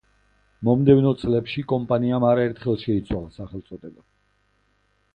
მომდევნო წლებში კომპანიამ არაერთხელ შეიცვალა სახელწოდება.